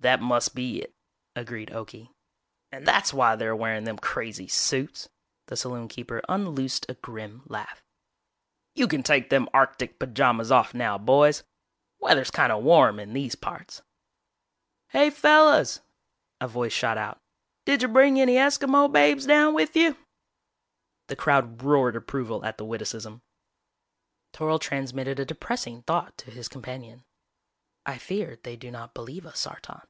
"That must be it," agreed Okie, "and that's why they're wearin' them crazy suits." The saloonkeeper unloosed a grim laugh. "You can take them arctic pajamas off now, boys. Weather's kinda warm in these parts!" "Hey, fellas!" a voice shot out, "didya bring any Eskimo babes down with you?" The crowd roared approval at the witticism. Toryl transmitted a depressing thought to his companion. "_I fear they do not believe us, Sartan.